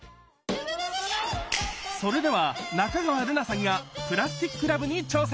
それでは仲川瑠夏さんが「プラスティック・ラブ」に挑戦！